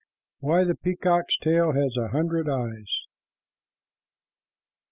WHY THE PEACOCK'S TAIL HAS A HUNDRED EYES.